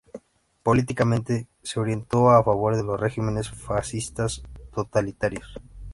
Políticamente, se orientó a favor de los regímenes fascistas totalitarios.